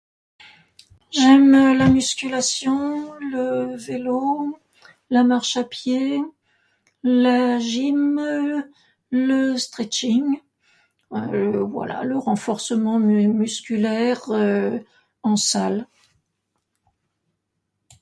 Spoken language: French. J'aime la musculation, le vélo, la marche à pied, la gym, le stretching, voilà, le renforcement musculaire, en salle.